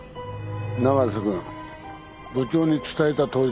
永瀬君部長に伝えたとおりだ。